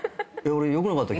俺よくなかった？